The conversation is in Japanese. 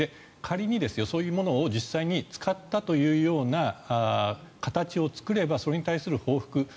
仮にそういうものを実際に使ったというような形を作ればそれに対する報復